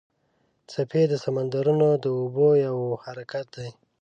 څپې د سمندرونو د اوبو یو حرکت دی.